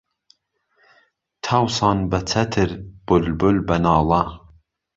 تاوسان به چهتر بولبول به ناڵه